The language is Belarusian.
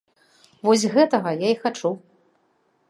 Вось гэтага я і хачу.